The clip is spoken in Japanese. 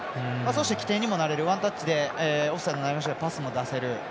そして、起点にもなれるワンタッチでオフサイドになりましたけどパスも出せる。